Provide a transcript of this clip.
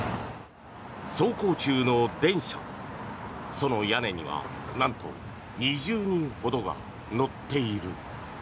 その屋根にはなんと２０人ほどが乗っている。